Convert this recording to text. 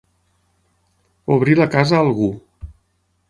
Obrir la casa a algú.